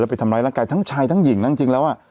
ไปทำร้ายร่างกายทั้งชายทั้งหญิงนะจริงแล้วอ่ะ